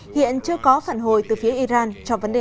hiện chưa có phản hồi từ phía iran cho vấn đề này